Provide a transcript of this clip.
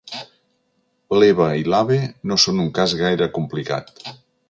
L'Eva i l'Abe no són un cas gaire complicat.